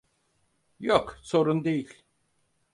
Yok, sorun değil.